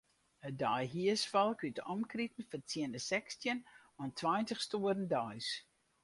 It deihiersfolk út 'e omkriten fertsjinne sechstjin oant tweintich stoeren deis.